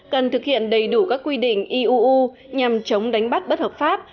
cần thực hiện đầy đủ các quy định iuu nhằm chống đánh bắt bất hợp pháp